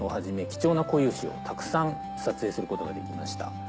貴重な固有種をたくさん撮影することができました。